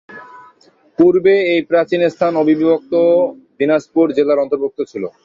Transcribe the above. পূর্বে এই প্রাচীন স্থান অবিভক্ত দিনাজপুর জেলার অন্তর্ভুক্ত ছিল।